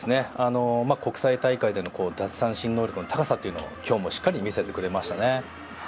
国際大会での奪三振能力の高さを今日もしっかり見せてくれましたね。